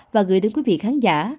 và gửi đến quý vị khán giả